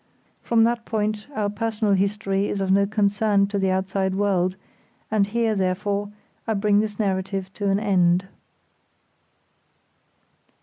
From that point our personal history is of no concern to the outside world, and here, therefore, I bring this narrative to an end.